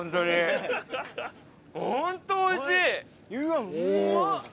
ホントおいしい！